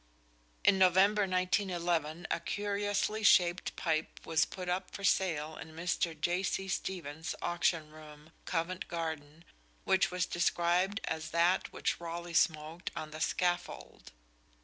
In November 1911 a curiously shaped pipe was put up for sale in Mr. J.C. Stevens's Auction Room, Covent Garden, which was described as that which Raleigh smoked "on the scaffold."